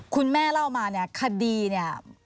คุณแม่เล่ามาเนี่ยคดีเนี่ย